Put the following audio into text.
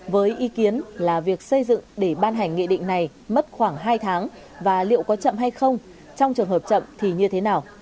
với ý kiến là việc xây dựng để ban hành nghị định này mất khoảng hai tháng và liệu có chậm hay không trong trường hợp chậm thì như thế nào